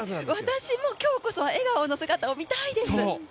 私も、今日こそは笑顔が見たいです。